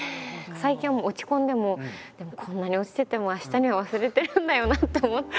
最近はもう落ち込んでもでもこんなに落ちてても明日には忘れてるんだよなと思って。